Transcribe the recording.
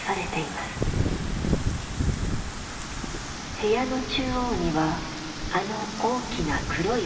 部屋の中央にはあの大きな黒い模造紙。